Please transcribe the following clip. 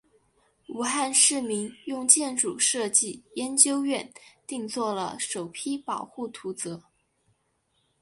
武汉市民用建筑设计研究院定做了首批保护图则。